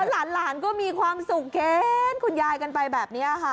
หลานก็มีความสุขแค้นคุณยายกันไปแบบนี้ค่ะ